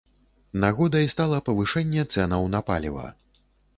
Нагодай стала павышэнне цэнаў на паліва.